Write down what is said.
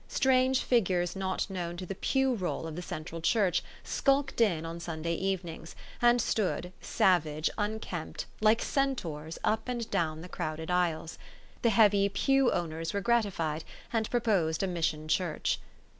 Strange figures not known to the pew roll of the Central Church skulked in on Sunday evenings, and stood, savage, unkempt, like Centaurs, up and down the crowded aisles. The heavy pew owners were gratified, and proposed a mission church.